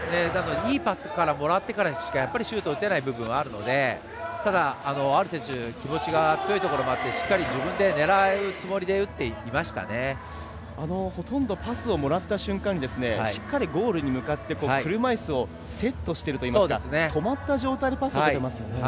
いいパスをもらってからしかシュートを打てない部分はあるのでただアル選手気持ちが強いところもあってしっかり自分で狙うつもりでほとんどパスをもらった瞬間にしっかりゴールに向かって車いすをセットしてるというか止まった状態でパスが受けていますね。